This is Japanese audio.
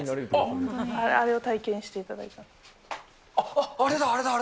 あっ、あれだあれだ。